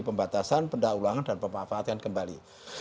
pembatasan pendahuluan dan pemanfaatan kembali